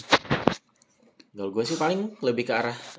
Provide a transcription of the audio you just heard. kalau gue sih paling lebih ke arah